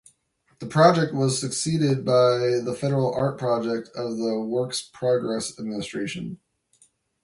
The project was succeeded by the Federal Art Project of the Works Progress Administration.